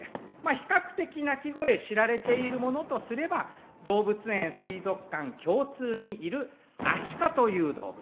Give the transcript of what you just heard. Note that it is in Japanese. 比較的鳴き声知られているものとすれば動物園水族館共通にいるアシカという動物。